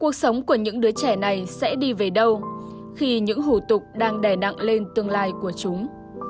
cuộc sống của những đứa trẻ này sẽ đi về đâu khi những hủ tục đang đè nặng lên tương lai của chúng